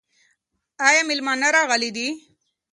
ایا مېلمانه راغلي دي؟